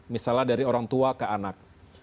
misalnya dari orang tua ke anak